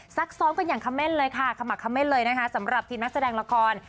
ซักซ้อมกันอย่างเขม่นเลยค่ะขมักเม่นเลยนะคะสำหรับทีมนักแสดงละคร